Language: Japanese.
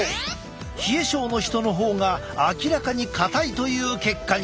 冷え症の人の方が明らかに硬いという結果に。